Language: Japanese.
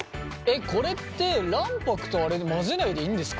これって卵白とあれで混ぜないでいいんですか？